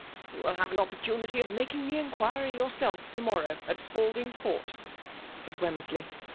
'* You mil have an opportunity of mftl^i^ the inquiry yourself to morrow^ at SpaldBng Court, said Wemmersley.